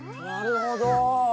なるほど。